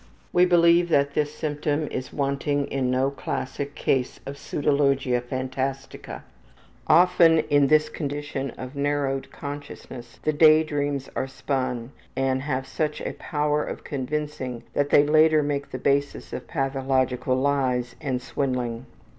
We believe that this symptom is wanting in no classic case of pseudologia phantastica. Often in this condition of narrowed consciousness, the daydreams are spun and have such a power of convincing that they later make the basis for pathological lies and swindling.